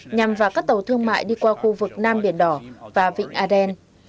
nhằm vào các tàu thương mại đi qua khu vực nam biển đỏ và vịnh aden